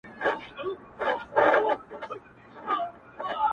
• مونږه د مینې تاوانونه کړي ,